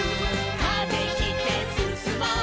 「風切ってすすもう」